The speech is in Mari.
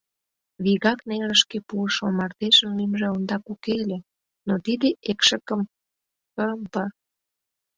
Вигак нерышке пуышо мардежын лӱмжӧ ондак уке ыле, но тиде экшыкым Х.Б.